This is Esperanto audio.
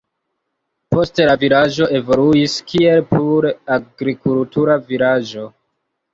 Poste la vilaĝo evoluis kiel pure agrikultura vilaĝo.